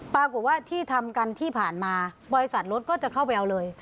ปรากฏว่าที่ทำกันที่ผ่านมาบริษัทรถก็จะเข้าไปเอาเลย